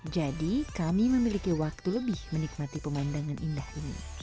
jadi kami memiliki waktu lebih menikmati pemandangan indah ini